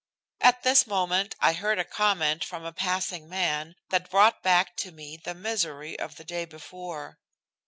At this moment I heard a comment from a passing man that brought back to me the misery of the day before.